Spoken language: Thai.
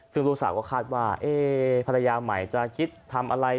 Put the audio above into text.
ซึ่งลูกสาวก็คาดว่าภรรยาใหม่จะคิดทำอะไร